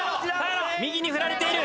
右に振られている。